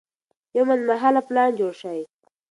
یو منځمهاله پلان جوړ شي.